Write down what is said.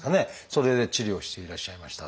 それで治療していらっしゃいましたが。